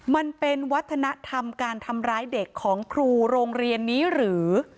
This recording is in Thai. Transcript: มันเป็นวัฒนธรรมการทำร้ายเด็กของครูโรงเรียนนี้หรือ